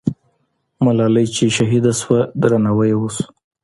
ملالۍ چې شهیده سوه، درناوی یې وسو.